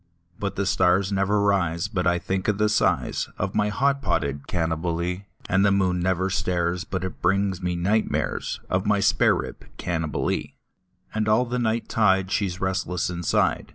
But the stars never rise but I think of the size Of my hot potted Cannibalee, And the moon never stares but it brings me night mares Of my spare rib Cannibalee; And all the night tide she is restless inside.